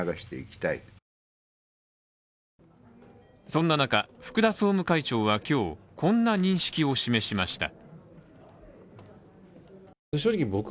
そんな中、福田総務会長は今日、こんな認識を示しました。